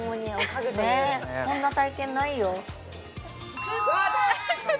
こんな体験ないよあーっ！